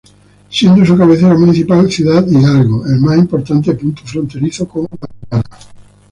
Siendo su cabecera municipal, Ciudad Hidalgo el más importante punto fronterizo con Guatemala.